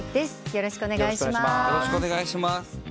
よろしくお願いします。